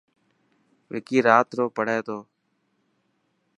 وڪي رات رو پهڙي تو.